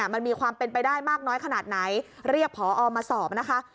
มันมีความเป็นไปได้มากน้อยขนาดไหนเรียกพอมาสอบนะคะ